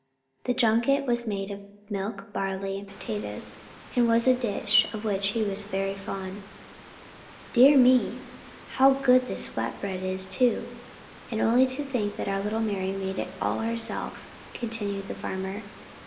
The junket was made of milk, barley, and potatoes, and was a dish of which he was very fond. "Dear me! how good the flat bread is, too. And only to think that our little Mari made it all herself," continued the farmer.